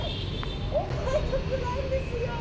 お買い得なんですよ。